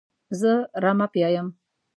زه رمه پیايم.